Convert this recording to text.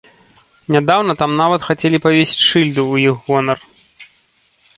Нядаўна там нават хацелі павесіць шыльду ў іх гонар.